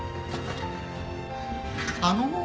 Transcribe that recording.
あの。